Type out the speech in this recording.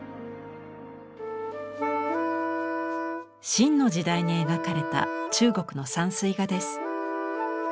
清の時代に描かれた中国の山水画です。